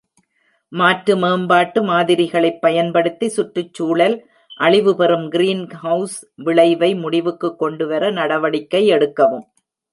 மாற்று மேம்பாட்டு மாதிரிகளைப் பயன்படுத்தி சுற்றுச்சூழல் அழிவு மற்றும் கிரீன்ஹவுஸ் விளைவை முடிவுக்குக் கொண்டுவர நடவடிக்கை எடுக்கவும்.